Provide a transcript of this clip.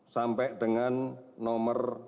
sampai dengan nomor